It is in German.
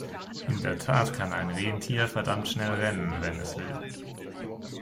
In der Tat kann ein Rentier verdammt schnell rennen, wenn es will.